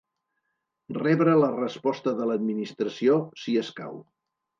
Rebre la resposta de l'Administració, si escau.